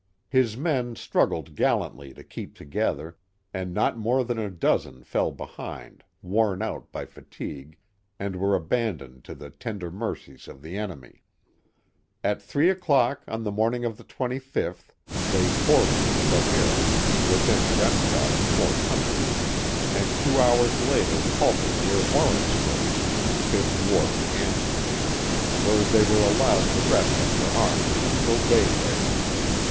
His men struggled gallantly 10 keep together, and not more than a dozen fell behind, worn out by fatigue, and were abandoned to the tender mercies of the enemy. At three o'clock on the morning of the 25th they forded the Schoharie, within gunshot of Fort Hunter, and two hours later halted near Warrensbush (fifth ward, Amsterdam). where they were allowed to rest on their anns until daybreak.